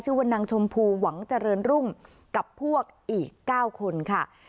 ชื่อว่านางชมพูหวังเจริญรุ่งกับพวกอีก๙คนค่ะ